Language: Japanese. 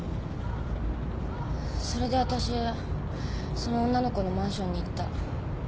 それでわたしその女の子のマンションに行った。